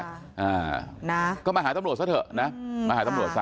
อ่านะก็มาหาตำรวจซะเถอะนะอืมมาหาตำรวจซะ